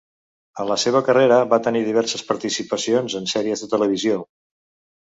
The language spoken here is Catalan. En la seva carrera va tenir diverses participacions en sèries de televisió.